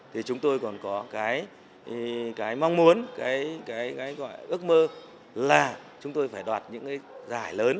thì chúng tôi còn có cái mong muốn cái gọi ước mơ là chúng tôi phải đoạt những cái giải lớn